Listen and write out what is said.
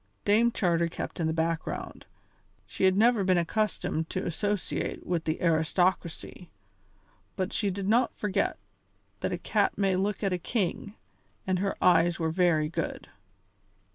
Dame Charter kept in the background; she had never been accustomed to associate with the aristocracy, but she did not forget that a cat may look at a king, and her eyes were very good.